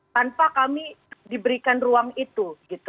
tanpa kami diberikan ruang itu